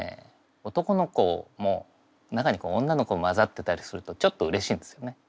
男の子も中に女の子交ざってたりするとちょっとうれしいんですよね。